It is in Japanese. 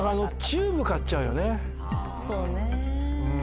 そうね。